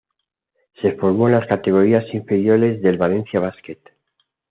Se formó en las categorías inferiores del Valencia Basket.